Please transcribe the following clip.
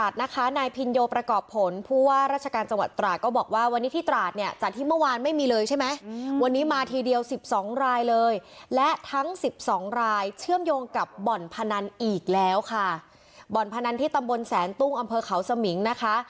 สิบสองรายเลยและทั้งสิบสองรายเชื่อมโยงกับบ่อนพนันอีกแล้วค่ะบ่อนพนันที่ตำบลแสนตุ้งอำเภอเขาสมิงนะคะ